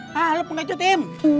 hah lu pengecutim